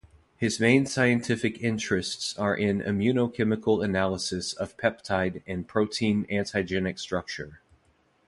His main scientific interests are in immunochemical analysis of peptide and protein antigenic structure.